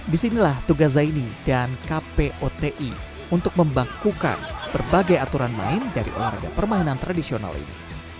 disinilah tugas zaini dan kpoti untuk membangkukan berbagai aturan main dari olahraga permainan tradisional ini